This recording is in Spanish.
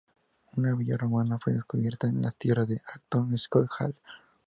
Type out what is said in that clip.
Una villa romana fue descubierta en las tierras de Acton Scott Hall.